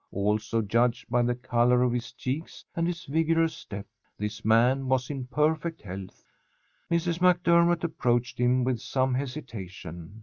Also, judged by the colour of his cheeks and his vigorous step, this man was in perfect health. Mrs. MacDermott approached him with some hesitation.